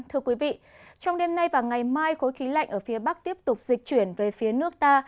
thưa quý vị trong đêm nay và ngày mai khối khí lạnh ở phía bắc tiếp tục dịch chuyển về phía nước ta